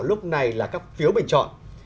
lúc này là các phiếu bình chọn